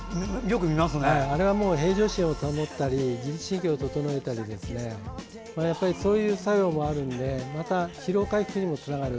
あれは平常心を保ったり自律神経を整えたりそういう作用もあるのでまた、疲労回復にもつながる。